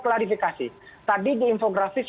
klarifikasi tadi di infografis